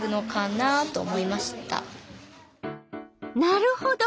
なるほど。